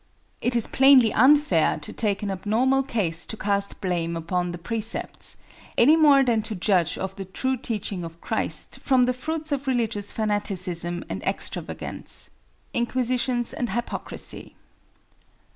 It is plainly unfair to take an abnormal case to cast blame upon the Precepts, any more than to judge of the true teaching of Christ from the fruits of religious fanaticism and extravagance—inquisitions and hypocrisy.